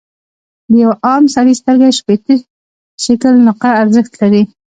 د یوه عام سړي سترګه شپیته شِکِل نقره ارزښت لري.